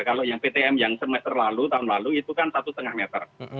kalau yang ptm yang semester lalu tahun lalu itu kan satu lima meter